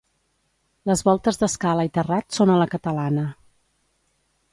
Les voltes d'escala i terrat són a la catalana.